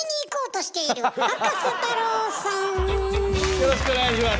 よろしくお願いします。